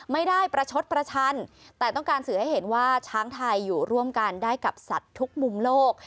ไม่ได้ประชดประชันแต่ต้องการสื่อให้เห็นว่าช้างไทยอยู่ร่วมกันได้กับสัตว์ทุกมุมโลก